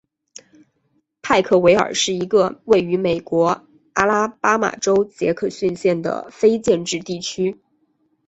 派克维尔是一个位于美国阿拉巴马州杰克逊县的非建制地区。